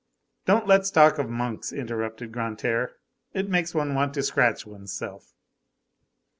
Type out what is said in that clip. "Don't let's talk of monks," interrupted Grantaire, "it makes one want to scratch one's self."